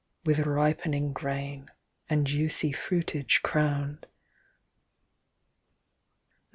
With ripening grain, and juicy fruitage crowned.